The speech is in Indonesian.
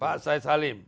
pak sae salim